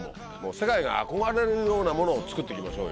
世界が憧れるようなものを作っていきましょうよ。